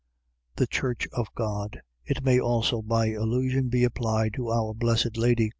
. .The church of God. It may also, by allusion, be applied to our blessed Lady.